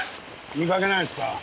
見かけないですか？